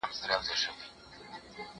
زه به سبا د زده کړو تمرين وکړم.